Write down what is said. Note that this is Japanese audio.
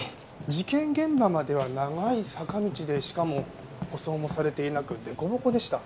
事件現場までは長い坂道でしかも舗装もされていなくでこぼこでした。